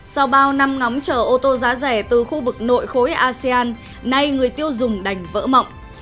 sau bao năm ngóng chở ô tô giá rẻ từ khu vực nội khối asean nay người tiêu dùng đành vỡ mộng